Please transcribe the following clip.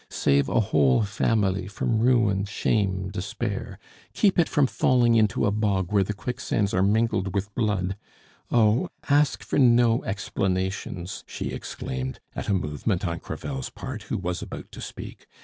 Save a whole family from ruin, shame, despair; keep it from falling into a bog where the quicksands are mingled with blood! Oh! ask for no explanations," she exclaimed, at a movement on Crevel's part, who was about to speak.